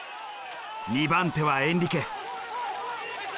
２番手はエンリケ。